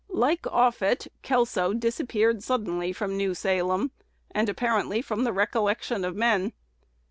Like Offutt, Kelso disappeared suddenly from New Salem, and apparently from the recollection of men.